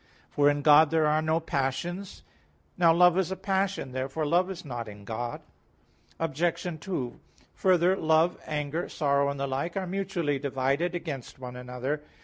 For in God there are no passions. Now love is a passion. Therefore love is not in God. Obj. 2: Further, love, anger, sorrow and the like, are mutually divided against one another.